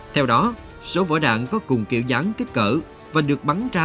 theo đó số vỏ đạn có cùng kiểu dáng kích cỡ và được bắn ra